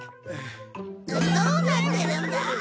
どうなってるんだ！？